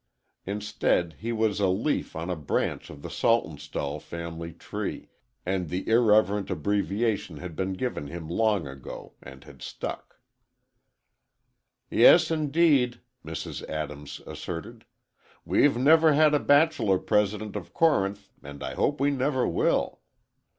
Instead, he was a leaf on a branch of the Saltonstall family tree, and the irreverent abbreviation had been given him long ago, and had stuck. "Yes, indeed," Mrs. Adams asserted, "we've never had a bachelor president of Corinth and I hope we never will.